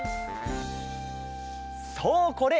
そうこれ！